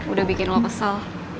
udah bikin lo kesel